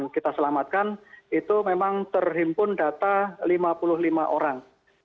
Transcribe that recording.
kita selamatkan itu memang terhimpun data lima puluh lima orang